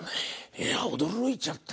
いやあ驚いちゃった！